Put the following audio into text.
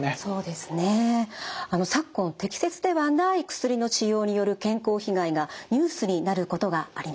昨今適切ではない薬の使用による健康被害がニュースになることがあります。